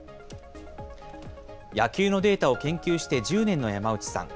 野球のデータを研究して１０年の山内さん。